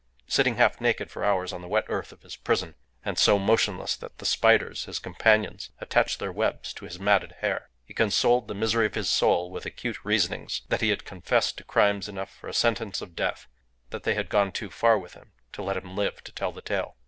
Sitting half naked for hours on the wet earth of his prison, and so motionless that the spiders, his companions, attached their webs to his matted hair, he consoled the misery of his soul with acute reasonings that he had confessed to crimes enough for a sentence of death that they had gone too far with him to let him live to tell the tale.